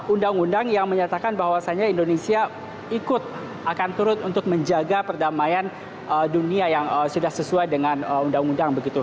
undang undang yang menyatakan bahwasannya indonesia ikut akan turut untuk menjaga perdamaian dunia yang sudah sesuai dengan undang undang begitu